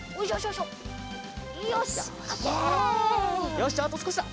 よしじゃああとすこしだ。